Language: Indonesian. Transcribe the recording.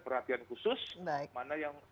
perhatian khusus mana yang